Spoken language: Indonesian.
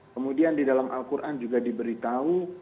kemudian di dalam al quran juga diberitahu